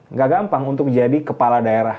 nggak gampang untuk jadi kepala daerah